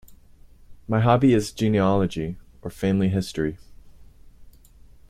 My hobby is genealogy, or family history.